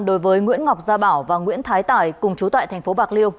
đối với nguyễn ngọc gia bảo và nguyễn thái tài cùng chú tại thành phố bạc liêu